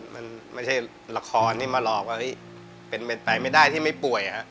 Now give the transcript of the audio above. มันไม่ใช่ละครที่มาหลอกว่าเป็นไปไม่ได้ที่ไม่ป่วยฮะ